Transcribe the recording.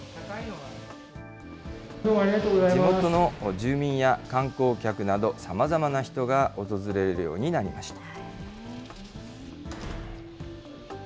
地元の住民や観光客などさまざまな人が訪れるようになりました。